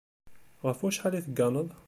Ɣef wacḥal i tegganeḍ?